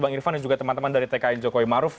bang irfan dan juga teman teman dari tkn jokowi maruf